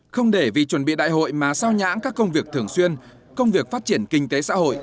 không để vì chuẩn bị đại hội mà sao nhãn các công việc thường xuyên công việc phát triển kinh tế xã hội